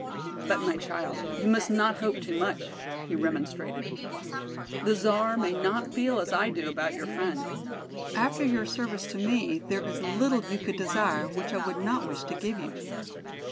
"But, my child, you must not hope too much," he remonstrated. "The Czar may not feel as I do about your friend. After your service to me there is little you could desire which I would not wish to give you."